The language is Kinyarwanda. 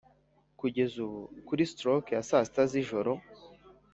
kugeza ubu, kuri stroke ya saa sita z'ijoro,